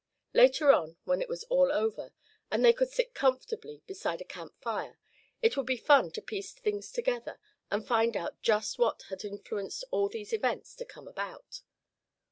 Later on, when it was all over, and they could sit comfortably beside a camp fire, it would be fun to piece things together, and find out just what had influenced all these events to come about.